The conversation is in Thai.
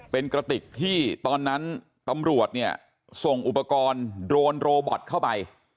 เป็นกระติกที่ตอนนั้นตำรวจเนี่ยส่งอุปกรณ์โดรนโรบอตเข้าไป